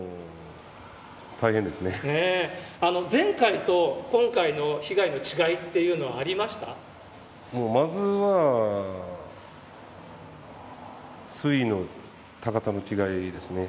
前回と今回の被害の違いってもうまずは、水位の高さの違いですね。